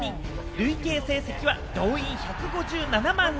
累計成績は動員１５７万人。